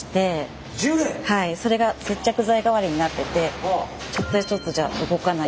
はいそれが接着剤代わりになっててちょっとやそっとじゃ動かない。